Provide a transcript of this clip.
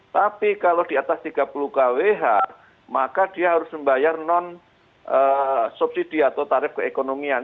tapi kalau di atas tiga puluh kwh maka dia harus membayar non subsidi atau tarif keekonomian